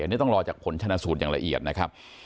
อันนี้ต้องรอจากผลชนะสูตรอย่างละเอียดนะครับ